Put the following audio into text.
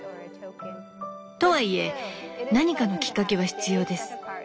とはいえ何かのきっかけは必要です。